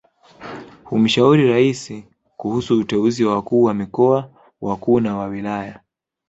Humshauri Raisi kuhusu uteuzi wa wakuu wa mikoa wakuu na wa wilaya